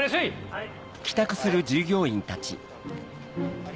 はい。